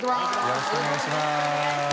よろしくお願いします。